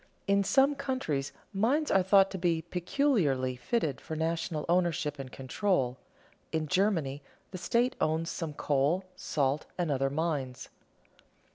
In some countries mines are thought to be peculiarly fitted for national ownership and control. In Germany, the state owns some coal, salt, and other mines.